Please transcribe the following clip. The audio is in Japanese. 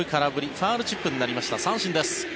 ファウルチップになりました三振です。